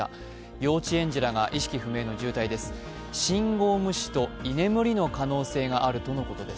幼稚園児らが意識不明の重体です。